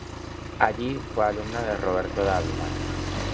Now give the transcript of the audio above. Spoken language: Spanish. Allí, fue alumna de Roberto Dávila.